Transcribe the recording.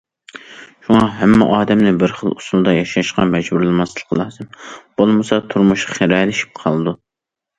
شۇڭا ھەممە ئادەمنى بىر خىل ئۇسۇلدا ياشاشقا مەجبۇرلىماسلىق لازىم، بولمىسا تۇرمۇش خىرەلىشىپ قالىدۇ.